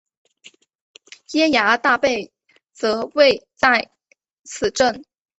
耶涯大坝则位在此镇。